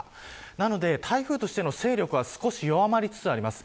なので、台風としての勢力は少し弱まりつつあります。